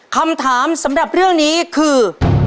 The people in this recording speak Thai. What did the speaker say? คำถามสำหรับเรื่องนี้คือ